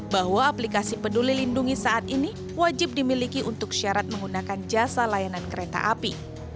bahwa aplikasi peduli lindungi saat ini wajib dimiliki untuk syarat menggunakan jasa layanan kereta api